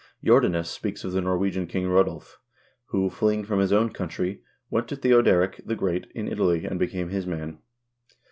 Jordanes speaks of the Norwegian king Itodulf, who, fleeing from his own country, went to Theoderic the Great in Italy and became his man.